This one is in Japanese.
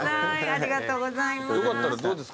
ありがとうございます。